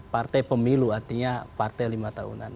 partai pemilu artinya partai lima tahunan